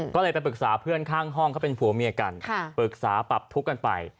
ก็เลยไปปรึกษาเพื่อนข้างห้องเขาเป็นผัวเมียกันปรึกษาปรับทุกข์กันไป